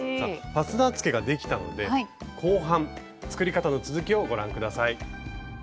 ファスナーつけができたので後半作り方の続きをご覧下さい。